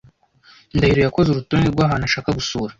Ndahiro yakoze urutonde rwahantu ashaka gusura.